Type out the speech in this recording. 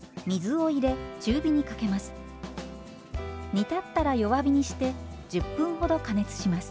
煮立ったら弱火にして１０分ほど加熱します。